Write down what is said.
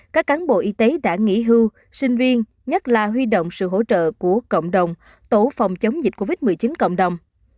các cán bộ y tế đã nghỉ hưu sinh viên nhất là huy động sự hỗ trợ của cộng đồng tổ phòng chống dịch covid một mươi chín cộng đồng